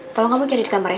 tolong kamu cari di kamar ya